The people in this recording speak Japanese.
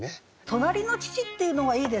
「隣の父」っていうのがいいですね。